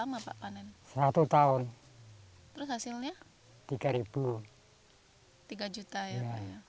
jika tidak petani terpaksa diberi kekuatan